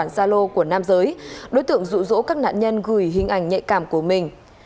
trong tài khoản zalo của nam giới đối tượng rủ rỗ các nạn nhân gửi hình ảnh nhạy cảm của mình